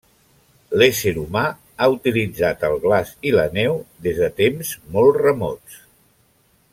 L’ésser humà ha utilitzat el glaç i la neu des de temps molt remots.